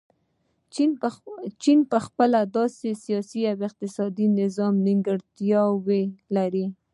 چین په خپل سیاسي او اقتصادي نظام کې نیمګړتیاوې لري.